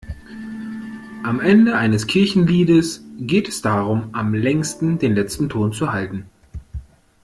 Am Ende eines Kirchenliedes geht es darum, am längsten den letzten Ton zu halten.